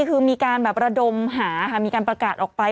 คือมีการแบบระดมหาค่ะมีการประกาศออกไป